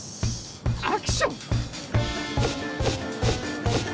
アクション！